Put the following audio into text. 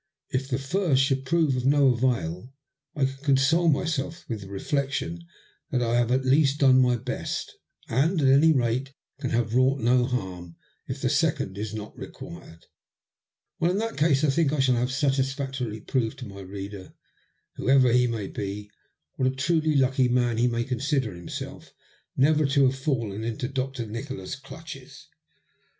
If the first should prove of no avail, I can console myself with the reflection that I have at least done my best, and, at any rate, can have wrought no harm ; if the second is not required, well, in that case, I think I shall have satisfactorily proved to my reader, who ever he may be, what a truly lucky man he may consider himself never to have fallen into Dr. Nikola's clutches.